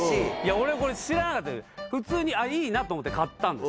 俺これ知らなかった普通にいいなと思って買ったんです。